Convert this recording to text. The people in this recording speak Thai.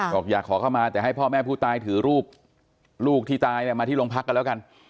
บอกอยากขอเข้ามาแต่ให้พ่อแม่ผู้ตายถือรูปลูกที่ตายเนี่ยมาที่โรงพักกันแล้วกัน